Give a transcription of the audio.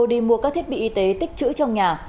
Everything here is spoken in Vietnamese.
đi mua các thiết bị y tế tích chữ trong nhà